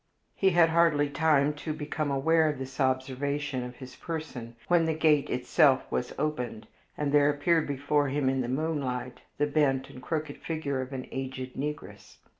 He had hardly time to become aware of this observation of his person when the gate itself was opened, and there appeared before him, in the moonlight, the bent and crooked figure of an aged negress.